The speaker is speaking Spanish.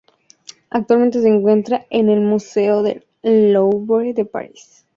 Actualmente se encuentra en el Museo del Louvre de París.